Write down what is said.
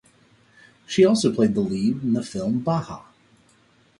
She also played the lead in the film Baja.